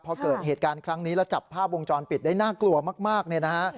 พอเกิดเหตุการณ์ครั้งนี้แล้วจับภาพวงจรปิดได้น่ากลัวมากเนี่ยนะฮะ